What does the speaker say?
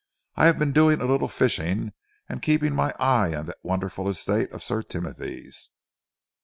I have been doing a little fishing, and keeping my eye on that wonderful estate of Sir Timothy's."